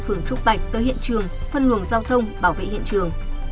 phường trúc bạch tới hiện trường phân luồng giao thông bảo vệ hiện trường